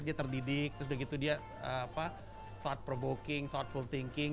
dia terdidik terus udah gitu dia thought provoking thoughtful thinking